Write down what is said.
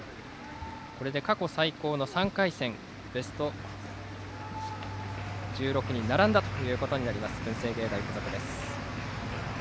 これで過去最高の３回戦ベスト１６に並んだことになります文星芸大付属です。